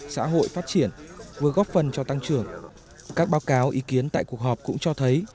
xã hội phát triển vừa góp phần cho tăng trưởng các báo cáo ý kiến tại cuộc họp cũng cho thấy